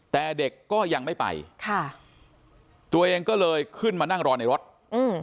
แต่เด็กก็ยังไม่ไปค่ะตัวเองก็เลยขึ้นมานั่งรอในรถอืม